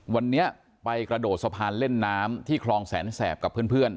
วันนี้ไปกระโดดสะพานเล่นน้ำที่คลองแสนแสบกับเพื่อน